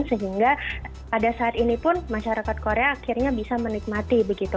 sehingga pada saat ini pun masyarakat korea akhirnya bisa menikmati begitu